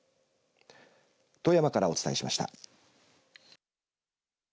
富山からお伝えしました。